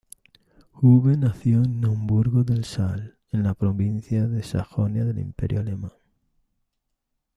Hube nació en Naumburgo del Saale en la provincia de Sajonia del Imperio alemán.